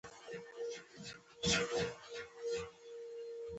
د روانې جګړې پای نه چاته معلوم او نه یې پیش بیني کېږي.